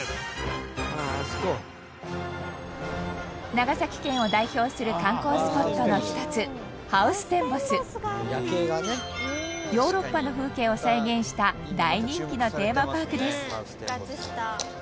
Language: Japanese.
長崎県を代表する観光スポットの一つヨーロッパの風景を再現した大人気のテーマパークです。